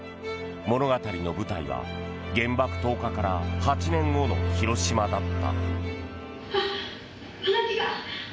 物語の舞台は、原爆投下から８年後の広島だった。